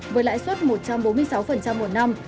với lãi suất một trăm bốn mươi sáu một năm